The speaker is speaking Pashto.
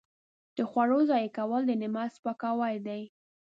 د خوړو ضایع کول د نعمت سپکاوی دی.